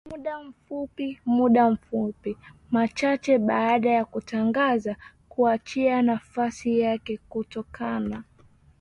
muda mfupi muda mchache baada ya kutangaza kuachia nafasi yake kutokana